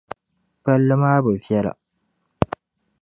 Palli maa bi viεla.